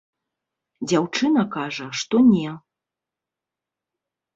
Дзяўчына кажа, што не.